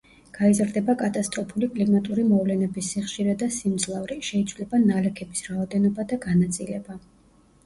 გაიზრდება კატასტროფული კლიმატური მოვლენების სიხშირე და სიმძლავრე, შეიცვლება ნალექების რაოდენობა და განაწილება.